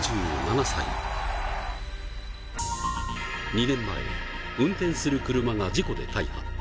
２年前、運転する車が事故で大破。